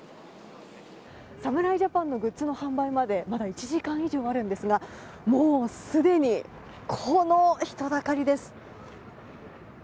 侍ジャパンのグッズの販売までまだ１時間以上あるんですがもうすでに、この人だかりです。